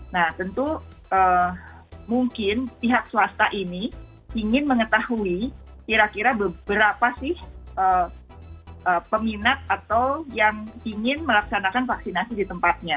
nah tentu mungkin pihak swasta ini ingin mengetahui kira kira beberapa sih peminat atau yang ingin melaksanakan vaksinasi di tempatnya